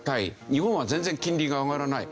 日本は全然金利が上がらない。